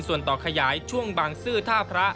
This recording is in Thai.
ส่วนต่อขยายช่วงบางซื่อท่าพระ